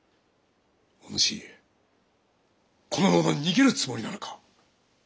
お主このまま逃げるつもりなのか？